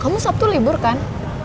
kamu sabtu libur kan